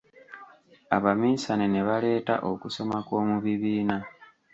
Abamisane be baaleeta okusoma kw'omu bibiina.